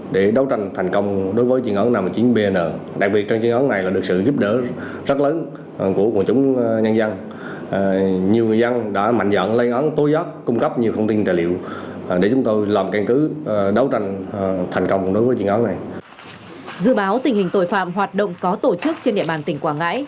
dự báo tình hình tội phạm hoạt động có tổ chức trên địa bàn tỉnh quảng ngãi